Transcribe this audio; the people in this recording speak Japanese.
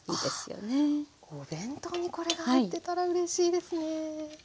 お弁当にこれが入ってたらうれしいですね。